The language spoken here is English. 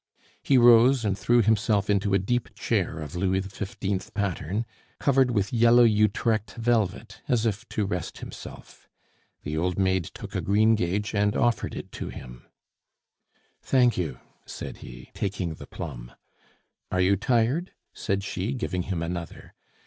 He rose and threw himself into a deep chair of Louis XV. pattern, covered with yellow Utrecht velvet, as if to rest himself. The old maid took a greengage and offered it to him. "Thank you," said he, taking the plum. "Are you tired?" said she, giving him another.